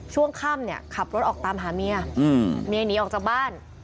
ช่วงค่ำเนี่ยขับรถออกตามหาเมียเมียหนีออกจากบ้าน